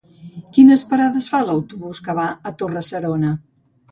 Quines parades fa l'autobús que va a Torre-serona?